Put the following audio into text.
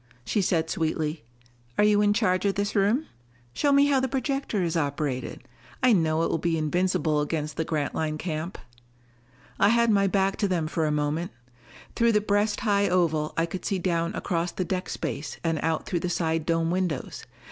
She said sweetly, "Are you in charge of this room? Show me how the projector is operated. I know it will be invincible against the Grantline camp." I had my back to them for a moment. Through the breast high oval I could see down across the deck space and out through the side dome windows.